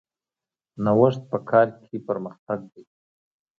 نوښت په کار کې پرمختګ دی